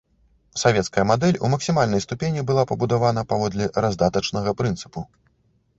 Савецкая мадэль у максімальнай ступені была пабудаваная паводле раздатачнага прынцыпу.